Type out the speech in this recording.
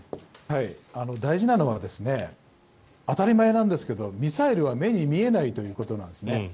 大事なのは当たり前なんですけどミサイルは目に見えないということなんですね。